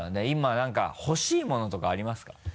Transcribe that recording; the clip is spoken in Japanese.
今何か欲しいものとかありますか？